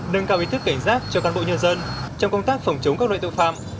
nâng cao ý thức cảnh giác cho cán bộ nhân dân trong công tác phòng chống các loại tội phạm